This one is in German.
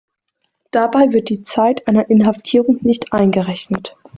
Dabei wird die Zeit einer Inhaftierung nicht eingerechnet.